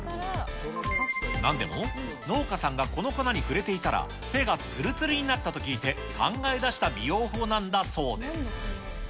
なんでも、農家さんがこの粉に触れていたら、手がつるつるになったと聞いて、考え出した美容法なんだそうです。